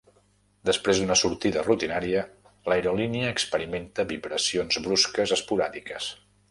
Després d'una sortida rutinària, l'aerolínia experimenta vibracions brusques esporàdiques.